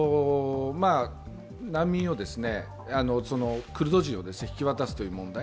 難民を、クルド人を引き渡すという問題。